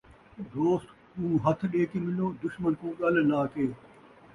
دوست کوں ہتھ ݙے کے ملو دشمن کوں ڳل لا کے